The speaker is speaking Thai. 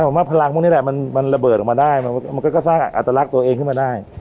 ผมว่าพลังพวกนี้แหละมันระเบิดออกมาได้มันก็สร้างอัตลักษณ์ตัวเองขึ้นมาได้